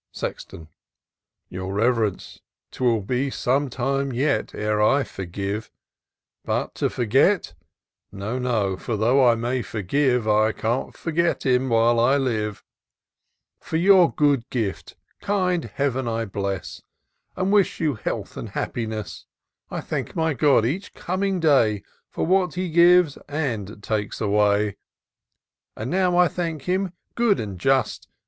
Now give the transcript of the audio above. Sexton. " Your Rev'rence, 'twill be some time yet Ere I forgive ;— ^but to forget — No, no ; for though I may forgive, I can't forget him while I live. IN SEARCH OF THE PICTURESQUE. 85 For your good gift, kind Heaven I bless, And wish you health and happiness : I thank my God, each coming day, For what He gives and takes away; And now I thank Him, good and just.